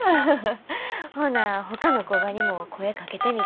ほなほかの工場にも声かけてみる。